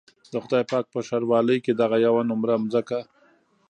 د خدای پاک په ښاروالۍ کې دغه يوه نومره ځمکه.